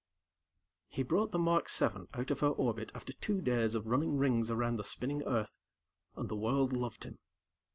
He brought the Mark VII out of her orbit after two days of running rings around the spinning Earth, and the world loved him.